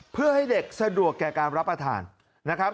เพื่อให้เด็กสะดวกแก่การรับประทานนะครับ